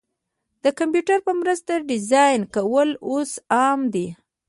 د کمپیوټر په مرسته ډیزاین کول اوس عام دي.